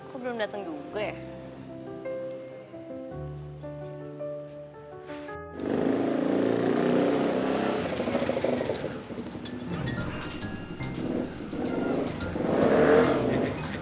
kok belum dateng juga ya